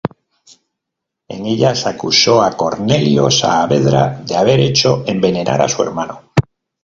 En ellas acusó a Cornelio Saavedra de haber hecho envenenar a su hermano.